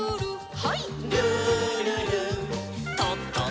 はい。